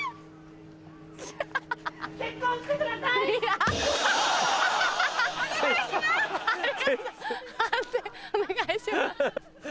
判定お願いします。